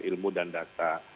ilmu dan data